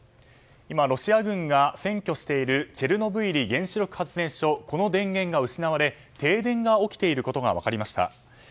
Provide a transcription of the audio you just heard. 今ロシア軍が占拠しているチェルノブイリ原子力発電所の電源が失われ停電が起きていることが分かりました。